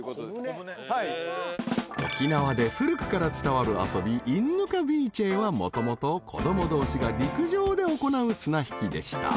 ［沖縄で古くから伝わる遊びいんぬくゎびーちぇーはもともと子供同士が陸上で行う綱引きでした］